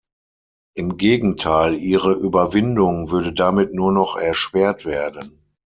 Im Gegenteil, ihre Überwindung würde damit nur noch erschwert werden.